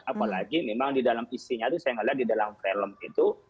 apalagi memang di dalam isinya itu saya melihat di dalam film itu